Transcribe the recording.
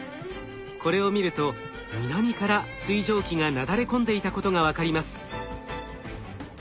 これを見ると南から水蒸気がなだれ込んでいたことが分かります。